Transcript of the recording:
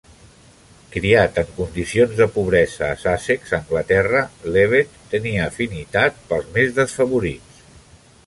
Criat en condicions de pobresa a Sussex, Anglaterra, Levett tenia afinitat pels més desfavorits.